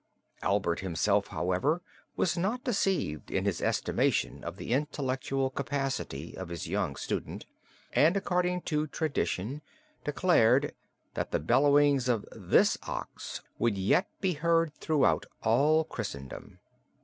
Albert himself, however, was not deceived in his estimation of the intellectual capacity of his young student, and according to tradition declared, that the bellowings of this ox would yet be heard throughout all Christendom.